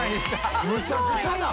むちゃくちゃな」